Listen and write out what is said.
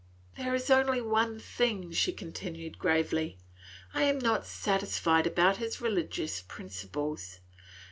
"There is only one thing," she continued gravely; "I am not satisfied about his religious principles.